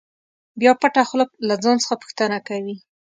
بیا پټه خوله له ځان څخه پوښتنه کوي.